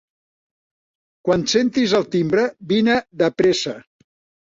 Quan sentis el timbre, vine de pressa.